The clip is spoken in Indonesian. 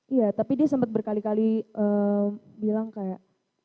iya tapi dia sempat berkali kali bilang kayak